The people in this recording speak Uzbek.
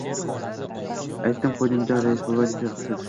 — Aytdim-qo‘ydim-da, rais bova, — dedi. — Siz